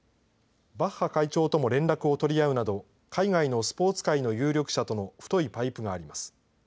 バッハ会長とも連絡を取り合うなど、海外のスポーツ界の有力者との太いパイプがあります。